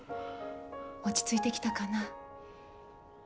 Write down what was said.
落ち着いてきたかな？